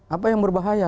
apa yang berbahaya